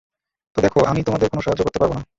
তো, দেখো, আমি তোমাদের কোনো সাহায্য করতে পারব না।